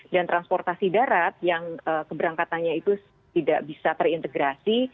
dan transportasi darat yang keberangkatannya itu tidak bisa terintegrasi